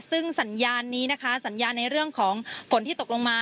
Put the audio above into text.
ซึ่งสัญญาณนี้นะคะสัญญาณในเรื่องของฝนที่ตกลงมา